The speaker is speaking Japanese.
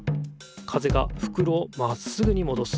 風がふくろをまっすぐにもどす。